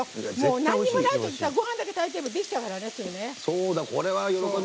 なんにもないときごはんだけ炊いてもできちゃうからね、すぐね。